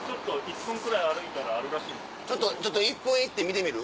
ちょっと１分行って見てみる？